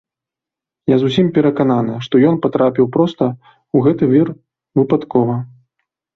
Я зусім перакананы, што ён патрапіў проста ў гэты вір выпадкова.